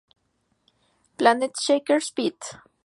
Planetshakers feat.